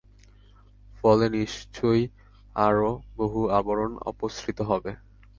ফলে নিশ্চয়ই আরও বহু আবরণ অপসৃত হবে।